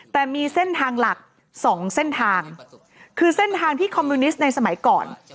แต่มีเส้นทางหลักสองเส้นทางคือเส้นทางที่คอมมิวนิสต์ในสมัยก่อน